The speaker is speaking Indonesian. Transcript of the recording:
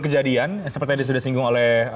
kejadian seperti yang disinggung oleh